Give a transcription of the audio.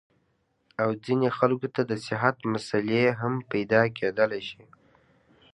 او ځينې خلکو ته د صحت مسئلې هم پېدا کېدے شي -